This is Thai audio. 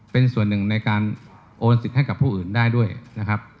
เป็นส่วนหนึ่งในการโอนสิทธิ์ให้กับผู้อื่นได้ด้วยนะครับ